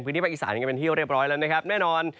ภาคอีสานกันเป็นที่เรียบร้อยแล้วนะครับแน่นอน